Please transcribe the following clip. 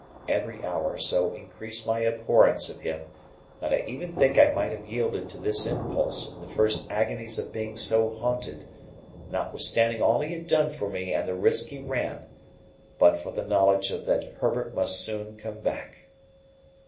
Every hour so increased my abhorrence of him, that I even think I might have yielded to this impulse in the first agonies of being so haunted, notwithstanding all he had done for me and the risk he ran, but for the knowledge that Herbert must soon come back.